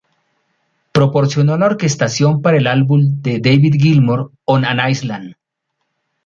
Proporcionó la orquestación para el álbum de David Gilmour, "On An Island".